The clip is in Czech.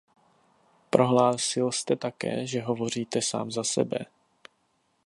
Prohlásil jste také, že hovoříte sám za sebe.